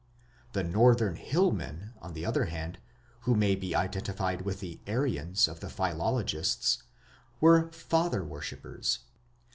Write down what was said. The northern hillmen, on the other hand, who may be identified with the "Aryans" of the philologists, were father worshippers.